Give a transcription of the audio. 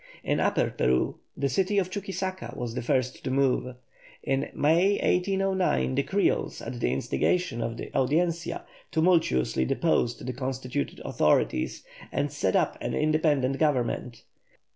In Upper Peru, the city of Chuquisaca was the first to move. In May, 1809, the Creoles, at the instigation of the Audiencia, tumultuously deposed the constituted authorities, and set up an independent government.